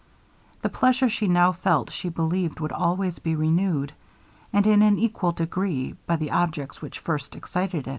The pleasure she now felt she believed would always be renewed, and in an equal degree, by the objects which first excited it.